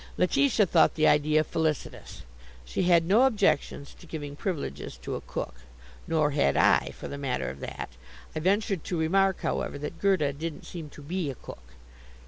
Letitia thought the idea felicitous. She had no objections to giving privileges to a cook. Nor had I, for the matter of that. I ventured to remark, however, that Gerda didn't seem to be a cook.